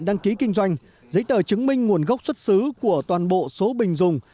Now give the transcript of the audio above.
đăng ký kinh doanh giấy tờ chứng minh nguồn gốc xuất xứ của toàn bộ số bình dùng